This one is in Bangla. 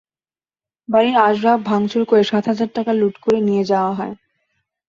বাড়ির আসবাব ভাঙচুর করে সাত হাজার টাকা লুট করে নিয়ে যাওয়া হয়।